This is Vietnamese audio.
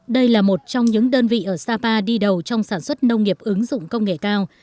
đây là một trong những đơn vị ở sapa đi đầu trong sản xuất nông nghiệp ứng dụng công nghệ cao